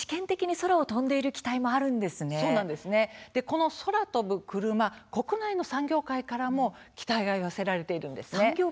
空飛ぶクルマ国内の産業界からも期待が寄せられています。